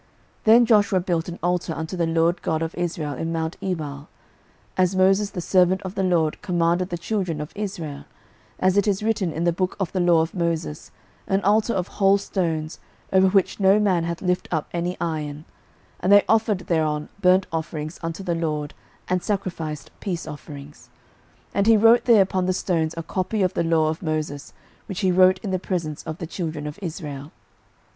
06:008:030 Then Joshua built an altar unto the LORD God of Israel in mount Ebal, 06:008:031 As Moses the servant of the LORD commanded the children of Israel, as it is written in the book of the law of Moses, an altar of whole stones, over which no man hath lift up any iron: and they offered thereon burnt offerings unto the LORD, and sacrificed peace offerings. 06:008:032 And he wrote there upon the stones a copy of the law of Moses, which he wrote in the presence of the children of Israel.